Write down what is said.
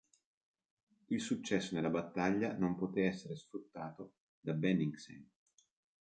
Il successo nella battaglia non poté essere sfruttato da Bennigsen.